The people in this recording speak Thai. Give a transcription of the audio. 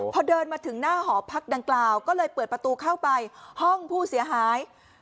พอเดินมาถึงหน้าหอพักดังกล่าวก็เลยเปิดประตูเข้าไปห้องผู้เสียหาย